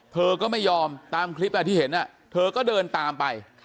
เธอก็ไม่ยอมตามคลิปที่เห็นเธอก็เดินตามไป